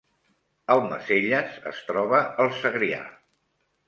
Almacelles es troba al Segrià